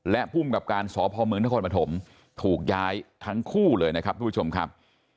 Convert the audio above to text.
และภูมิกับการสอบภอมเมืองนครปฐมถูกย้ายทั้งคู่เลยนะครับ